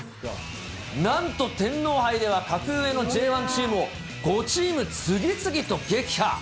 なんと天皇杯では、格上のＪ１チームを５チーム次々と撃破。